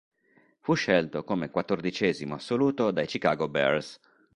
Fu scelto come quattordicesimo assoluto dai Chicago Bears.